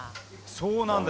そうなんだ。